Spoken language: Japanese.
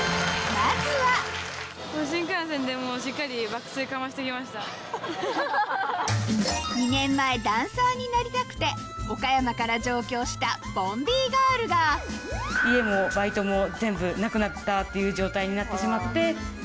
まずは２年前ダンサーになりたくて岡山から上京したボンビーガールがっていう状態になってしまって。